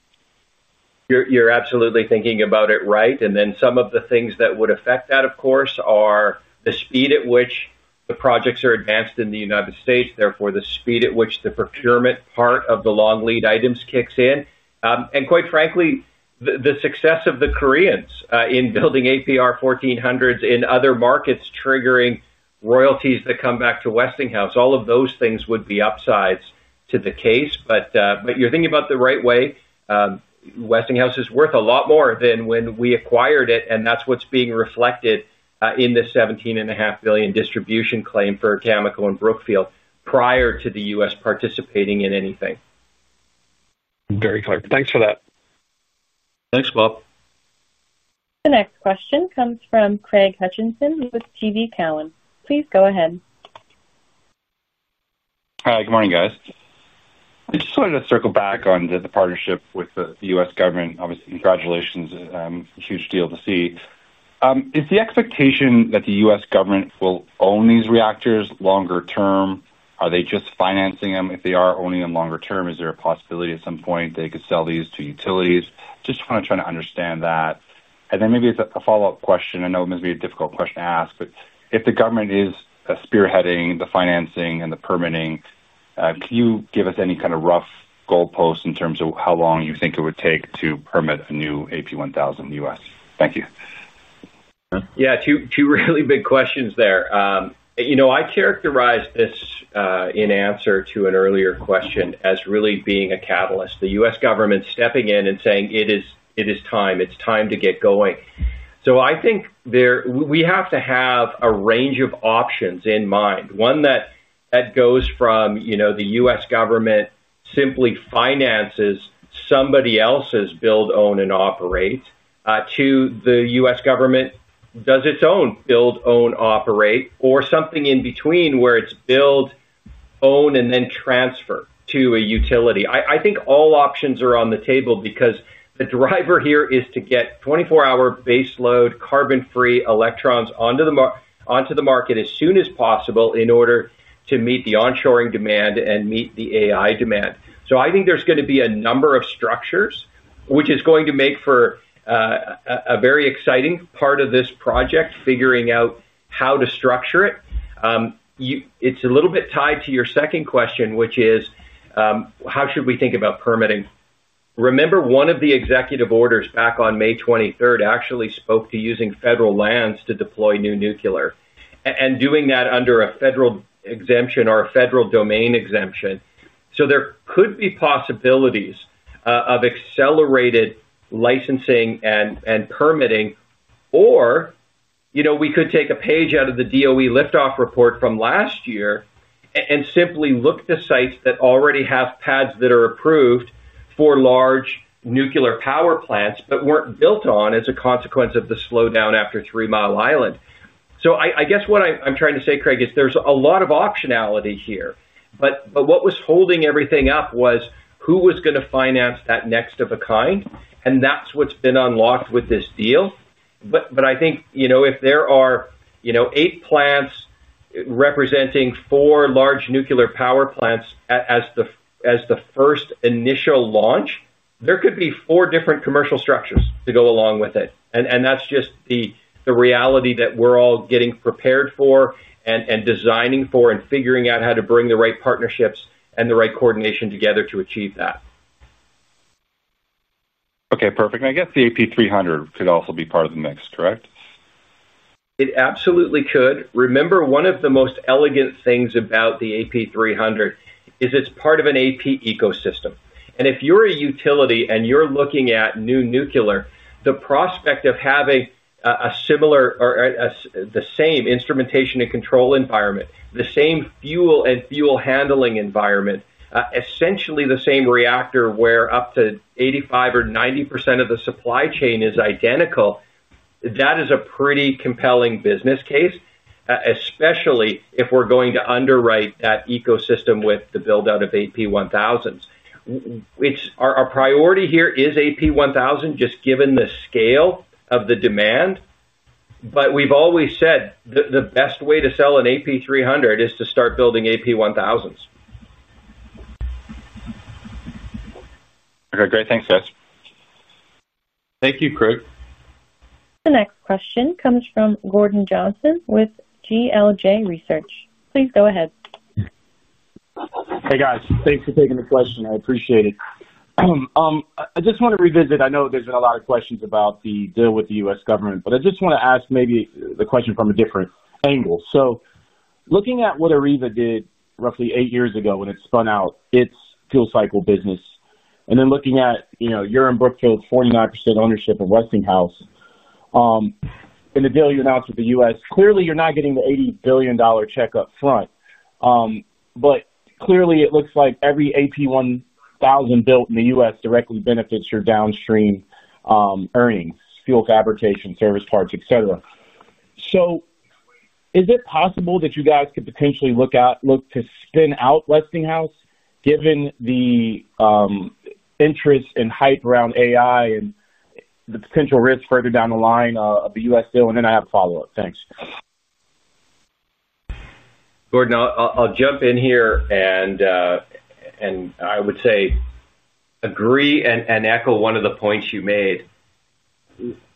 You're absolutely thinking about it, right? And then some of the things that would affect that, of course, are the speed at which the projects are advanced in the United States, therefore the speed at which the procurement part of the long lead items kicks in. Quite frankly, the success of the Koreans in building APR 1400s in other markets, triggering royalties that come back to Westinghouse, all of those things would be upsides to the case, but you're thinking about the right way. Westinghouse is worth a lot more than when we acquired it. That's what's being reflected in the $17.5 billion distribution claim for Cameco and Brookfield prior to the U.S. participating in anything. Very clear. Thanks for that. Thanks, Bob. The next question comes from Craig Hutchison with TD Cowen. Please, go ahead. Hi, good morning guys. I just wanted to circle back on the partnership with the U.S. Government. Obviously. Congratulations. Huge deal to see. Is the expectation that the U.S. government will own these reactors longer term? Are they just financing them? If they are owning them longer term, is there a possibility at some point. They could sell these to utilities? Just want to try to understand that. And then maybe as a follow up question, I know it must be a difficult question to ask, but if the government is spearheading the financing and the permitting, can you give us any kind of rough goalposts in terms of how long you think it would take to permit a new AP1000 in the U.S.? Thank you. Yeah, two really big questions there. You know, I characterized this in answer to an earlier question as really being a catalyst. The U.S. government stepping in and saying it is, it is time, it's time to get going. I think we have to have a range of options in mind. One that goes from the U.S. Government simply finances somebody else's build, own and operate to the U.S. Government does its own, build, own, operate or something in between where it's build, own and then transfer to a utility. I think all options are on the table because the driver here is to get 24 hour baseload carbon free electrons onto the market as soon as possible in order to meet the onshoring demand and meet the air demand. I think there's going to be a number of structures which is going to make for a very exciting part of this project, figuring out how to structure it. It's a little bit tied to your second question, which is how should we think about permitting? Remember, one of the executive orders back on May 23rd actually spoke to using federal lands to deploy new nuclear and doing that under a federal exemption or a federal domain exemption. There could be possibilities of accelerated licensing and permitting. We could take a page out of the DOE liftoff report from last year and simply look at the sites that already have pads that are approved for large nuclear power plants but were not built on as a consequence of the slowdown after Three Mile Island. I guess what I'm trying to say, Craig, is there's a lot of optionality here, but what was holding everything up was who was going to finance that next of a kind. That's what's been unlocked with this deal. I think if there are eight plants representing four large nuclear power plants as the first initial launch, there could be four different commercial structures to go along with it. That is just the reality that we are all getting prepared for and designing for and figuring out how to bring the right partnerships and the right coordination together to achieve that. Okay, perfect. I guess the AP300 could also be part of the mix, correct? It absolutely could. Remember, one of the most elegant things about the AP300 is it is part of an AP ecosystem. If you are a utility and you are looking at new nuclear, the prospect of having a similar or the same instrumentation and control environment, the same fuel and fuel handling environment, essentially the same reactor where up to 85% or 90% of the supply chain is identical. That is a pretty compelling business case, especially if we're going to underwrite that ecosystem with the build out of AP1000. Our priority here is AP1000, just given the scale of the demand. We have always said the best way to sell an AP300 is to start building AP1000s. Okay, great. Thanks, guys. Thank you, Craig. The next question comes from Gordon Johnson with GLJ Research. Please go ahead. Hey, guys, thanks for taking the question. I appreciate it. I just want to revisit. I know there's been a lot of questions about the deal with the U.S. Government, but I just want to ask maybe the question from a different angle. Looking at what AREVA did roughly eight years ago when it spun out its fuel cycle business, and then looking at, you know, you're in Brookfield, 49% ownership of Westinghouse in the deal you announced with the U.S., clearly, you're not getting the $80 billion check up front, but clearly it looks like every AP1000 built in the U.S. directly benefits your downstream earnings. Fuel fabrication, service, parts, etc. Is it possible that you guys could potentially look out, look to spin out Westinghouse, given the interest and hype around AI and the potential risk further down the line of the U.S. deal, then I have a follow up. Thanks. Gordon. I'll jump in here and I would say agree and echo one of the points you made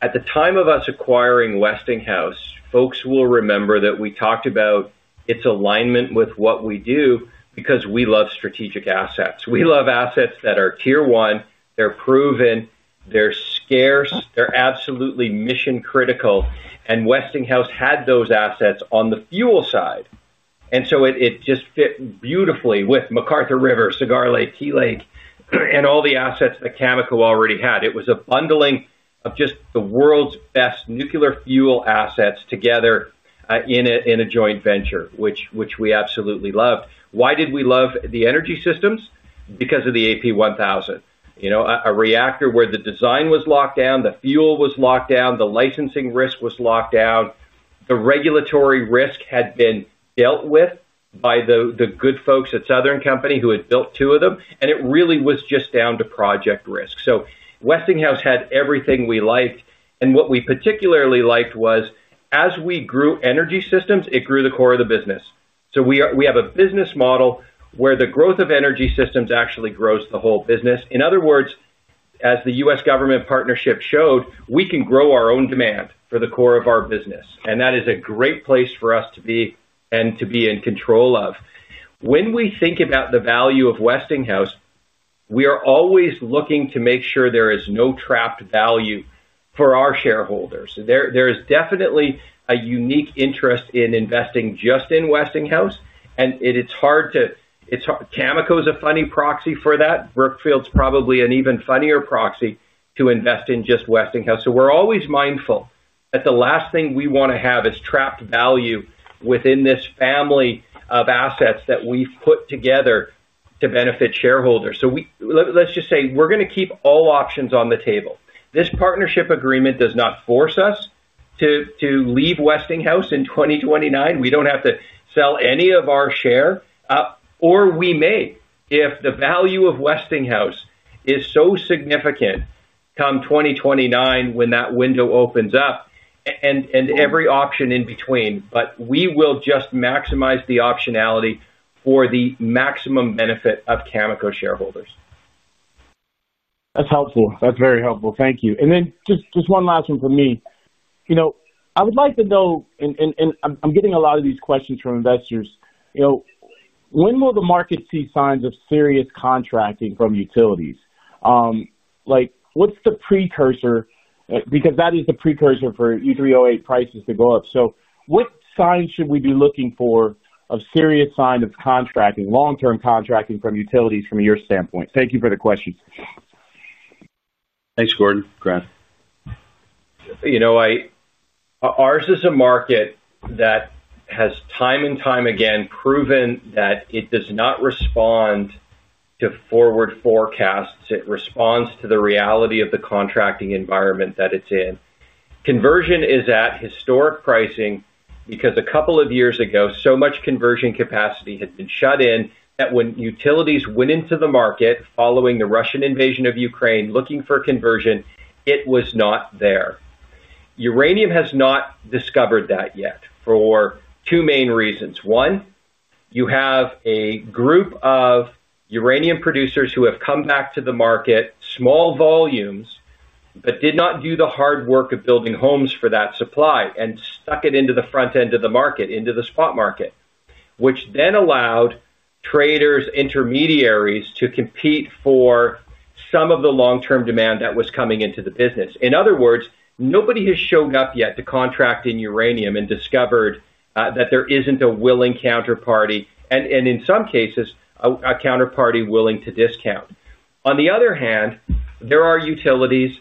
at the time of us acquiring Westinghouse. Folks will remember that we talked about its alignment with what we do because we love strategic assets. We love assets that are tier one. They're proven, they're scarce, they're absolutely mission critical. Westinghouse had those assets on the fuel side, and it just fit beautifully with McArthur River, Cigar Lake, Tea Lake, and all the assets that Cameco already had. It was a bundling of just the world's best nuclear fuel assets together in a joint venture, which we absolutely loved. Why did we love the energy systems? Because of the AP1000. You know, a reactor where the design was locked down, the fuel was locked down, the licensing risk was locked down, the regulatory risk had been dealt with by the good folks at Southern Company who had built two of them, and it really was just down to project risk. Westinghouse had everything we liked. What we particularly liked was as we grew energy systems, it grew the core of the business. We have a business model where the growth of energy systems actually grows the whole business. In other words, as the U.S. Government partnership showed, we can grow our own demand for the core of our business. That is a great place for us to be, be and to be in control of. When we think about the value of Westinghouse, we are always looking to make sure there is no trapped value for our shareholders. There is definitely a unique interest in investing just in Westinghouse, and it's hard to. Cameco is a funny proxy for that. Brookfield's probably an even funnier proxy to invest in just Westinghouse. We are always mindful that the last thing we want to have is trapped value within this family of assets that we've put together to benefit shareholders. Let's just say we are going to keep all options on the table. This partnership agreement does not force us to leave Westinghouse in 2029. We do not have to sell any of our share. Or we may if the value of Westinghouse is so significant that come 2029 when that window opens up and every option in between, but we will just maximize the optionality for the maximum benefit of Cameco shareholders. That's helpful. That's very helpful. Thank you. One last one for me. I would like to know, and I'm getting a lot of these questions from investors, when will the market see signs of serious contracting from utilities? Like, what's the precursor? Because that is the precursor for U3O8 prices to go up. What sign should we be looking for of serious sign of contracting, long term contracting from utilities from your standpoint? Thank you for the question. Thanks, Gordon. Grant? You know, ours is a market that has time and time again proven that it does not respond to forward forecasts. It responds to the reality of the contracting environment that it's in. Conversion is at historic pricing because a couple of years ago so much conversion capacity had been shut in that when utilities went into the market following the Russian invasion of Ukraine looking for conversion, it was not there. Uranium has not discovered that yet for two main reasons. One, you have a group of uranium producers who have come back to the market, small volumes, but did not do the hard work of building homes for that supply and stuck it into the front end of the market, into the spot market, which then allowed traders, intermediaries to compete for some of the long term demand that was coming into the business. In other words, nobody has shown up yet to contract in uranium and discovered that there is not a willing counterparty and in some cases a counterparty willing to discount. On the other hand, there are utilities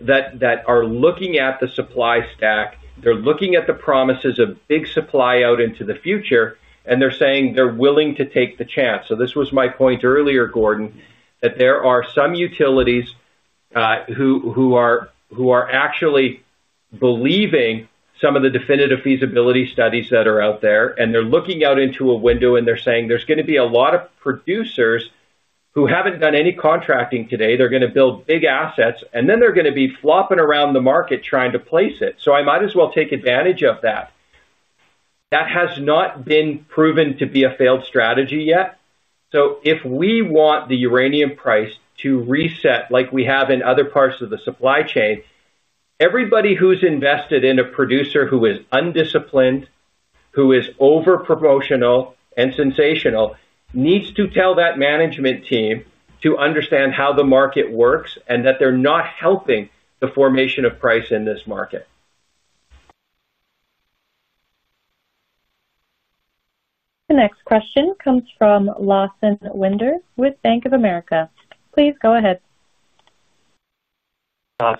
that are looking at the supply stack, they are looking at the promises of big supply out into the future and they are saying they are willing to take the chance. This was my point earlier, Gordon, that there are some utilities who are actually believing some of the definitive feasibility studies that are out there and they're looking out into a window and they're saying there's going to be a lot of producers who haven't done any contracting today. They're going to build big assets and then they're going to be flopping around the market trying to place it. I might as well take advantage of that. That has not been proven to be a failed strategy yet. If we want the uranium price to reset like we have in other parts of the supply chain, and everybody who's invested in a producer who is undisciplined, who is over promotional and sensational, needs to tell that management team to understand how the market works and that they're not helping the formation of price in this market. The next question comes from Lawson Winder with Bank of America. Please go ahead.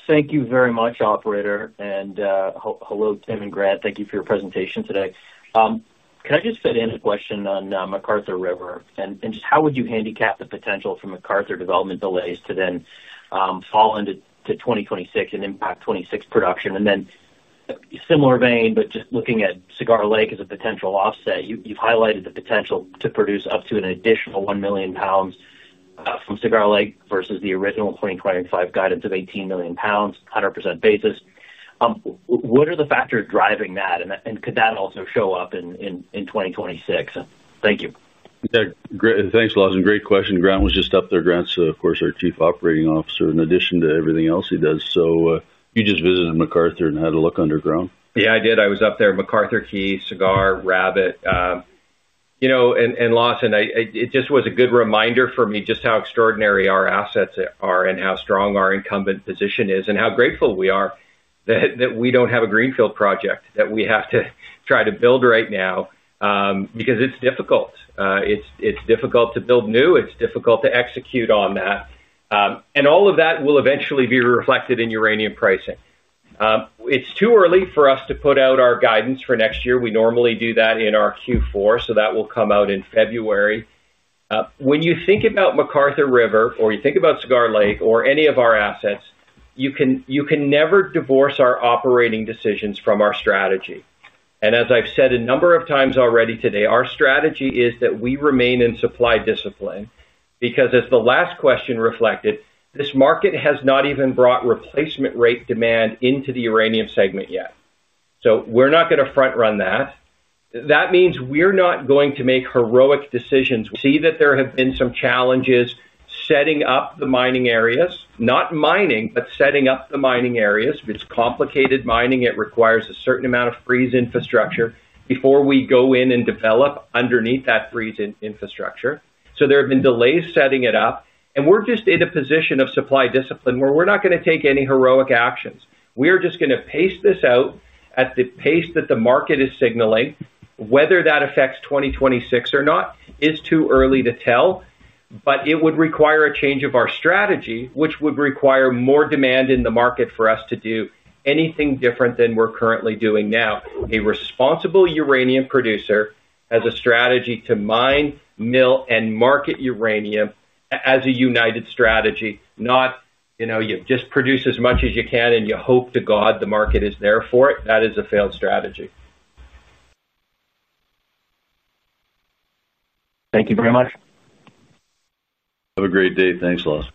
Thank you very much, operator. Hello Tim and Grant, thank you for your presentation today. Can I just fit in a question on McArthur River? Just how would you handicap the potential for McArthur development delays to then fall into 2026 and impact 2026 production? In a similar vein, just looking at Cigar Lake as a potential offset. You've highlighted the first potential to produce up to an additional 1 million lbs from Cigar Lake versus the original 2025 guidance of 18 million lbs, 100% basis. What are the factors driving that? Could that also show up in 2026? Thank you. Thanks, Lawson. Great question. Grant was just up there. Grant's of course our Chief Operating Officer in addition to everything else he does. You just visited McArthur and had a look underground? Yeah, I did. I was up there. McArthur, Key, Cigar, Rabbit, you know, and Lawson, it just was a good reminder for me just how extraordinary our assets are and how strong our incumbent position is and how grateful we are that we do not have a greenfield project that we have to try to build right now because it is difficult, it is difficult to build new, it is difficult to execute on that. All of that will eventually be reflected in uranium pricing. It is too early for us to put out our guidance for next year. We normally do that in our Q4, so that will come out in February. When you think about McArthur River or you think about Cigar Lake or any of our assets, you can never divorce our operating decisions from our strategy. As I have said a number of times already today, our strategy is that we remain in supply discipline. Because as the last question reflected, this market has not even brought replacement rate demand into the uranium segment yet. We are not going to front run that. That means we are not going to make heroic decisions. We see that there have been some challenges setting up the mining areas, not mining, but setting up the mining areas. It is complicated mining. It requires a certain amount of freeze infrastructure before we go in and develop underneath that freeze-in infrastructure. There have been delays setting it up and we are just in a position of supply discipline where we are not going to take any heroic actions. We are just going to pace this out at the pace that the market is signaling. Whether that affects 2026 or not is too early to tell. It would require a change of our strategy which would require more demand in the market for us to do anything different than we're currently doing now. A responsible uranium producer has a strategy to mine, mill and market uranium as a united strategy. Not, you know, you just produce as much as you can and you hope to God the market is there for it. That is a failed strategy. Thank you very much, have a great day. Thanks Lawson.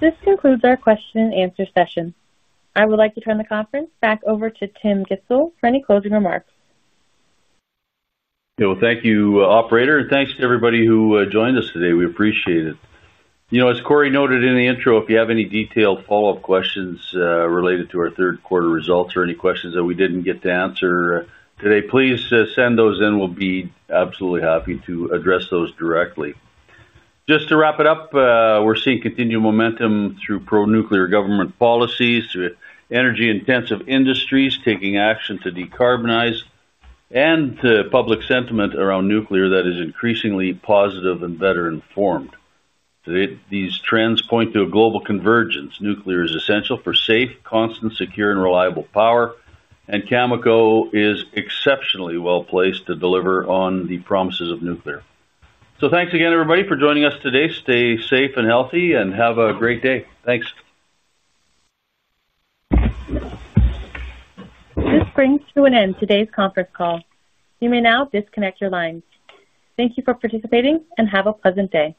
This concludes our question and answer session. I would like to turn the conference back over to Tim Gitzel for any closing remarks. Thank you operator and thanks to everybody who joined us today. We appreciate it. You know, as Cory noted in the intro, if you have any detailed follow up questions related to our third quarter results or any questions that we did not get to answer today, please send those in. We will be absolutely happy to address those directly. Just to wrap it up, we are seeing continued momentum through pro nuclear government policies, through energy intensive industries taking action to decarbonize, and to public sentiment around nuclear that is increasingly positive and better informed. These trends point to a global convergence. Nuclear is essential for safe, constant, secure, and reliable power. Cameco is exceptionally well placed to deliver on the promises of nuclear. Thanks again everybody for joining us today. Stay safe and healthy and have a great day. Thanks. This brings to an end today's conference call. You may now disconnect your lines. Thank you for participating and have a pleasant day.